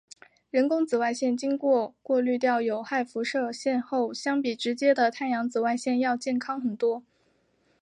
人工紫外线经过过滤掉有害射线后相比直接的太阳紫外线要健康很多。